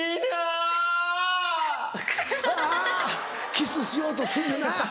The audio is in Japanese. キスしようとすんねんな。